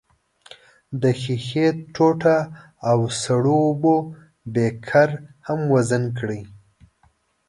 د ښيښې ټوټه او سړو اوبو بیکر هم وزن کړئ.